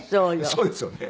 そうですよね。